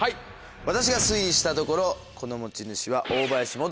私が推理したところこの持ち主は。